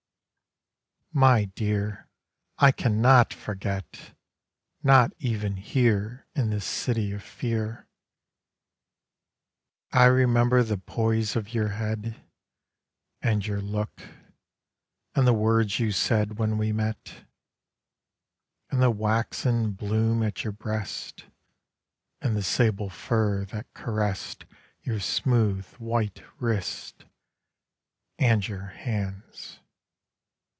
My dear, I cannot forget! Not even here In this City of Fear. I remember the poise of your head, And your look, and the words you said When we met, And the waxen bloom at your breast, And the sable fur that caressed Your smooth white wrists, and your hands